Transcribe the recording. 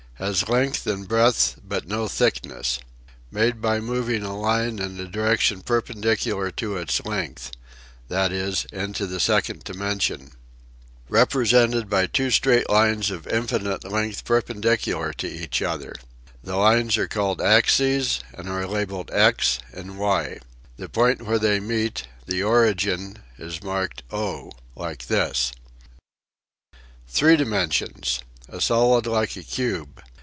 Has length and breadth but no thickness. Made by moving a line in a direction perpendicular to its length (that is, into the second dimension. Represented by two straight lines of indefinite length per pendicular to each other. The lines are called axes and are labeled x and y. The point where they meet, the origin, is marked O. Like this Three dimensions: A solid like a cube.